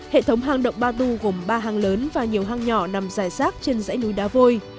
hệ thống hang động batu gồm ba hang lớn và nhiều hang nhỏ nằm dài sát trên dãy núi đá vôi